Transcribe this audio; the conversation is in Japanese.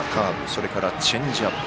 それからチェンジアップ。